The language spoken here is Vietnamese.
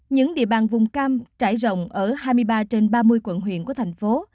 những địa bàn vùng cam trải rộng ở hai mươi ba trên ba mươi quận huyện của thành phố